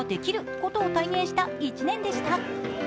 ことを体現した１年でした。